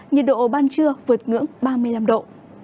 nhiệt độ ban trưa vượt ngưỡng ba mươi năm độ